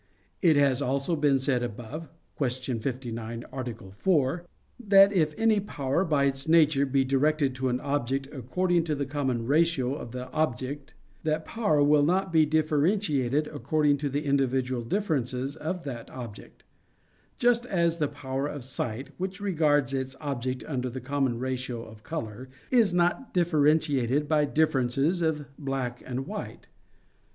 It has also been said above (Q. 59, A. 4) that if any power by its nature be directed to an object according to the common ratio of the object, that power will not be differentiated according to the individual differences of that object: just as the power of sight, which regards its object under the common ratio of color, is not differentiated by differences of black and white.